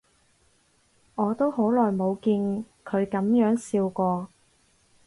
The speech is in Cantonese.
我都好耐冇見佢噉樣笑過